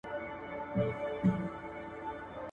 تازي د ښکار پر وخت غول ونيسي.